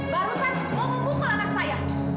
barusan mau membukul anak saya